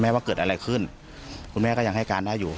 ว่าเกิดอะไรขึ้นคุณแม่ก็ยังให้การได้อยู่